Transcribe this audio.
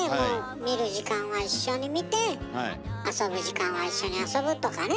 見る時間は一緒に見て遊ぶ時間は一緒に遊ぶとかね。